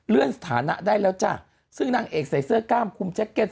สถานะได้แล้วจ้ะซึ่งนางเอกใส่เสื้อกล้ามคุมแจ็คเก็ต